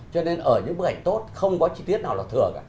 cho nên ở những bức ảnh tốt không có chi tiết nào là thừa cả